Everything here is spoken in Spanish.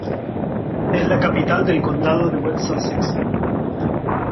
Es la capital del condado de West Sussex.